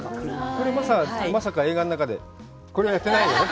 これも、まさか映画の中でこれはやってないよね？